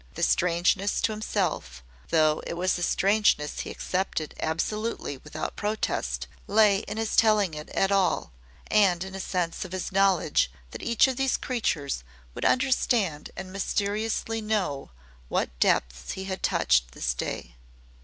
The strangeness to himself though it was a strangeness he accepted absolutely without protest lay in his telling it at all, and in a sense of his knowledge that each of these creatures would understand and mysteriously know what depths he had touched this day.